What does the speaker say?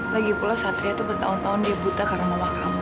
lagipula satria tuh bertahun tahun dia buta karena mama kamu